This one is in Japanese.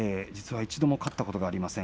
一度も勝ったことがありません。